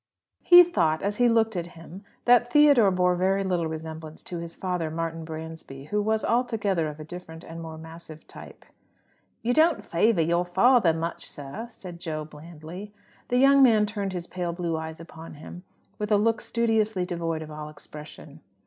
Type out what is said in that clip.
He thought, as he looked at him, that Theodore bore very little resemblance to his father, Martin Bransby, who was altogether of a different and more massive type. "You don't favour your father much, sir," said Jo blandly. The young man turned his pale blue eyes upon him with a look studiously devoid of all expression.